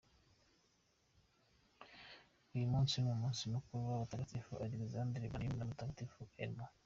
Uyu munsi ni umunsi mukuru w’abatagatifu Alexandre, Blandine, na Mutagatifu Elmo.